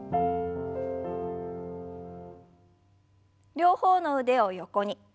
両方の腕を横に。